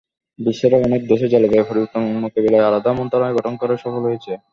বিশ্বের অনেক দেশই জলবায়ু পরিবর্তন মোকাবিলায় আলাদা মন্ত্রণালয় গঠন করে সফল হয়েছে।